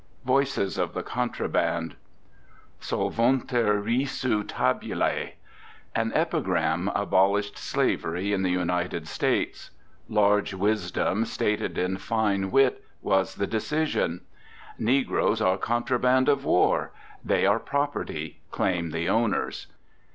VOICES OF THE CONTRABAND. Solvuntur risu tabulae. An epigram abolished slavery in the United States. Large wisdom, stated in fine wit, was the decision. "Negroes are contraband of war." "They are property," claim the owners.